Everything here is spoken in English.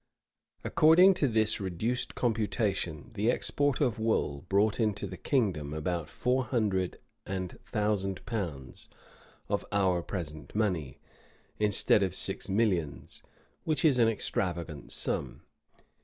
According to this reduced computation, the export of wool brought into the kingdom about four hundred and thousand pounds of our present money, instead of six millions, which is an extravagant sum.